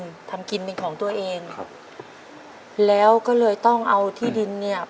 ทำกินเป็นของตัวเองครับแล้วก็เลยต้องเอาที่ดินเนี้ย